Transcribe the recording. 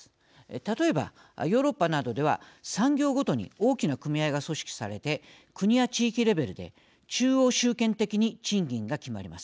例えば、ヨーロッパなどでは産業ごとに大きな組合が組織されて国や地域レベルで中央集権的に賃金が決まります。